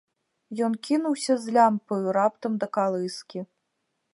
Ён кінуўся з лямпаю раптам да калыскі.